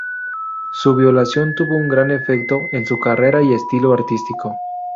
Su violación tuvo un gran efecto en su carrera y estilo artístico.